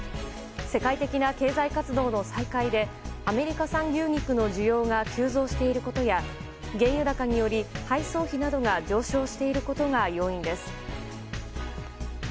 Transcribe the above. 世界的な経済活動の再開でアメリカ産牛肉の需要が急増していることや原油高により配送費などが上昇していることが要因です。